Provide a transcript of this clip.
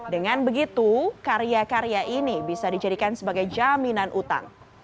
dengan begitu karya karya ini bisa dijadikan sebagai jaminan utang